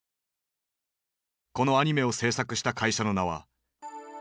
このアニメを製作した会社の名はピクサー。